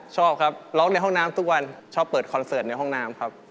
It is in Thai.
ชอบครับร้องในห้องน้ำทุกวันชอบเปิดคอนเสิร์ตในห้องน้ำครับ